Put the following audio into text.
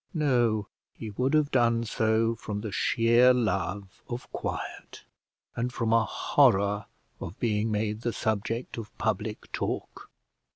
No; he would have done so from the sheer love of quiet, and from a horror of being made the subject of public talk.